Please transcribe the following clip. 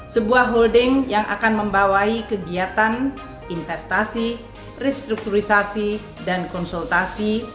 sebuah holding yang akan membawai kegiatan investasi restrukturisasi dan konsultasi